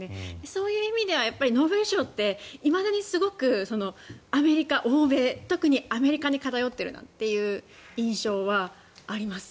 そういう意味ではノーベル賞っていまだにすごくアメリカ、欧米特にアメリカに偏っているなという印象はあります。